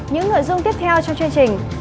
những nội dung tiếp theo trong chương trình